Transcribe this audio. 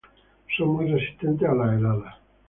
Son muy resistente a las heladas.